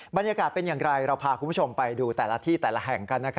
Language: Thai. บรรยากาศเป็นอย่างไรเราพาคุณผู้ชมไปดูแต่ละที่แต่ละแห่งกัน